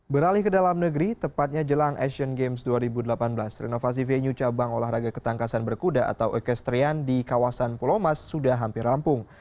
beralih ke dalam negeri tepatnya jelang asian games dua ribu delapan belas renovasi venue cabang olahraga ketangkasan berkuda atau ekestrian di kawasan pulau mas sudah hampir rampung